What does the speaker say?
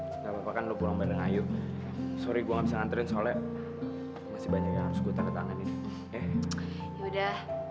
sampai jumpa di video selanjutnya